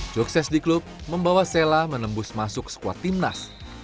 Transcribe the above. sukses di klub membawa sela menembus masuk skuad timnas